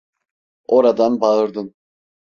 Oradan bağırdım: